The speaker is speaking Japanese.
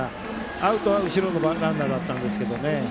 アウトは後ろのランナーだったんですけど。